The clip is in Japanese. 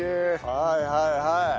はいはいはい。